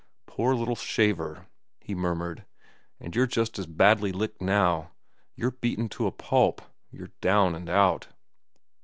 "Poor little shaver," he murmured. "And you're just as badly licked now. You're beaten to a pulp. You're down and out."